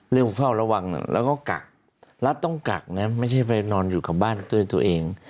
เฝ้าระวังแล้วก็กักรัฐต้องกักนะไม่ใช่ไปนอนอยู่กับบ้านด้วยตัวเอง